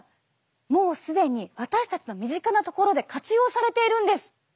もう既に私たちの身近なところで活用されているんです！